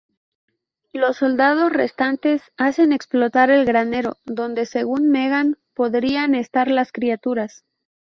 Los soldados restantes hacen explotar el granero, donde según Megan podrían estar las criaturas.